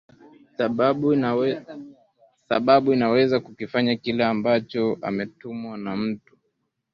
sababu inaweza kakifanya kile ambacho ametumwa na mtu